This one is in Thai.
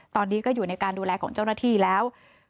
ตอนนี้ก็อยู่ในการดูแลของเจ้าหน้าที่แล้ว